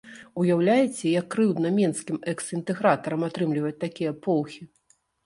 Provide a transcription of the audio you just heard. Уяўляеце, як крыўдна менскім экс-інтэгратарам атрымліваць такія поўхі!